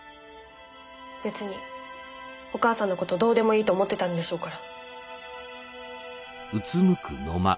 別にお母さんの事どうでもいいと思ってたんでしょうから。